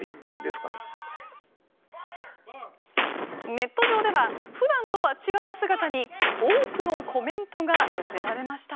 ネット上では普段とは違う姿に多くのコメントが寄せられました。